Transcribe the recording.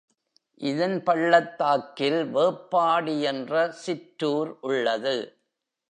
இதன் பள்ளத்தாக்கில் வேப்பாடி என்ற சிற்றூர் உள்ளது.